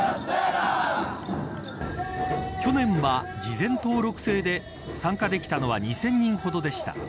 去年は、事前登録制で参加できたのは２０００人ほどでした。